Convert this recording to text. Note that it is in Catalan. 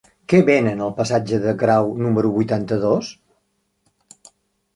Què venen al passatge de Grau número vuitanta-dos?